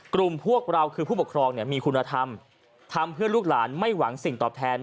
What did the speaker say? พวกเราคือผู้ปกครองมีคุณธรรมทำเพื่อลูกหลานไม่หวังสิ่งตอบแทน